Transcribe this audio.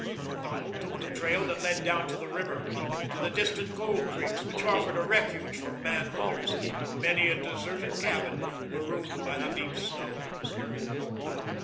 Macdonald took the trail that led down to the river, to the distant gold creeks which offered a refuge from man hunters in many a deserted cabin marooned by the deep snows.